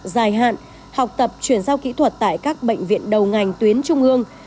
dài hạn học tập chuyển giao kỹ thuật tại các bệnh viện đầu ngành tuyến trung ương